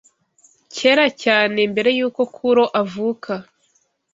Kera cyane mbere y’uko Kuro avuka